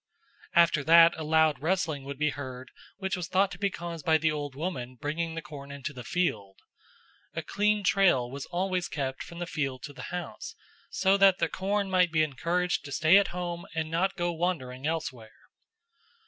After that a loud rustling would be heard, which was thought to be caused by the Old Woman bringing the corn into the field. A clean trail was always kept from the field to the house, "so that the corn might be encouraged to stay at home and not go wandering elsewhere."